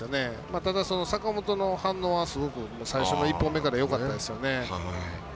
ただ、坂本の反応はすごく最初の１本目からよかったですよね。